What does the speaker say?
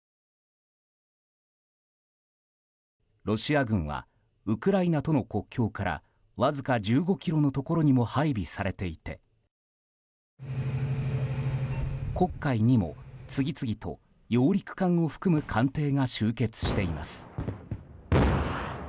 ロシア軍はウクライナとの国境からわずか１５ｋｍのところにも配備されていて黒海にも次々と揚陸艦を含む艦艇が集結しています。